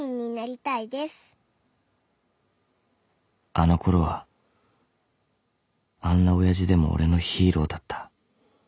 ［あのころはあんな親父でも俺のヒーローだった］